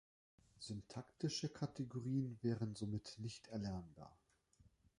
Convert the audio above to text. Syntaktische Kategorien wären somit nicht erlernbar.